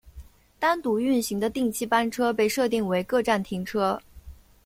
单独运行的定期列车被设定为各站停车。